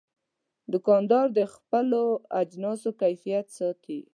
دوکاندار د خپلو اجناسو کیفیت ساتي.